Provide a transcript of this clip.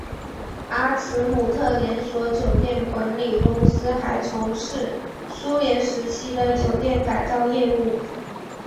阿兹姆特连锁酒店管理公司还从事苏联时期的酒店改造业务。